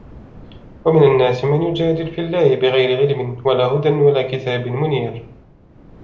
وَمِنَ النَّاسِ مَنْ يُجَادِلُ فِي اللَّهِ بِغَيْرِ عِلْمٍ وَلَا هُدًى وَلَا كِتَابٍ مُنِيرٍ